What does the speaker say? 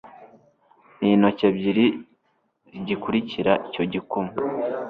n'intoki ebyiri zigikurikira icyo gikumwe